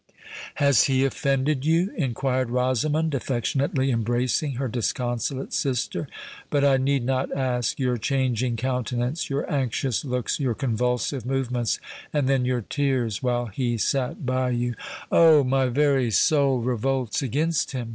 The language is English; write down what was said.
"Has he offended you?" inquired Rosamond, affectionately embracing her disconsolate sister. "But I need not ask! Your changing countenance—your anxious looks—your convulsive movements—and then your tears, while he sate by you——" "Oh! my very soul revolts against him!"